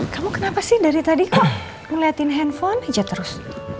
kamu kenapa sih dari tadi ngeliatin handphone aja terus